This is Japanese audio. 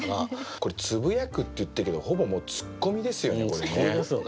これ「つぶやく」って言ってるけどほぼもうツッコミですよねこれね。